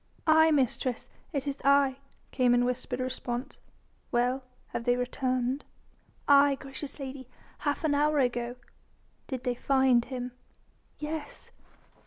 "Aye, mistress, it is I!" came in whispered response. "Well? Have they returned?" "Aye! gracious lady. Half an hour ago." "Did they find him?" "Yes."